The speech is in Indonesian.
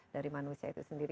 dari manusia itu sendiri